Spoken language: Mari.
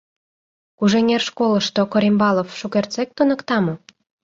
Кужэҥер школышто Корембалов шукертсек туныкта мо?